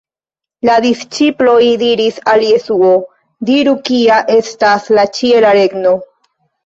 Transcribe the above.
La disĉiploj diris al Jesuo: “Diru kia estas la ĉiela regno”.